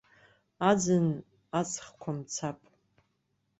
Аӡын аҵхқәа мцап.